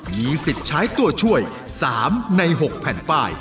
มีสิทธิ์ใช้ตัวช่วย๓ใน๖แผ่นป้าย